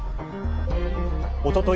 おととい